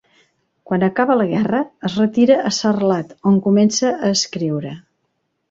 Quan acaba la guerra es retira a Sarlat, on comença a escriure.